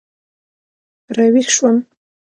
را ویښ شوم.